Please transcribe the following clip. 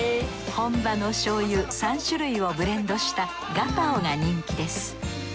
本場のしょうゆ３種類をブレンドしたガパオが人気です。